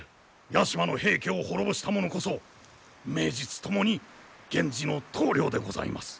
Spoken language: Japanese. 屋島の平家を滅ぼした者こそ名実ともに源氏の棟梁でございます。